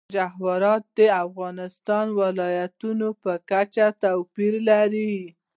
جواهرات د افغانستان د ولایاتو په کچه توپیر لري.